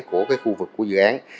của cái khu vực của dự án